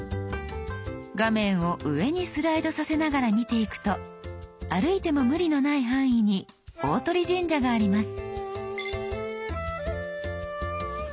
画面を上にスライドさせながら見ていくと歩いても無理のない範囲に大鳥神社があります。